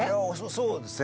そうですね。